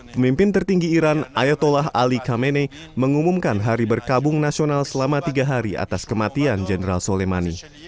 pemimpin tertinggi iran ayatholah ali kamene mengumumkan hari berkabung nasional selama tiga hari atas kematian general soleimani